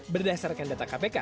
berdasarkan data kpk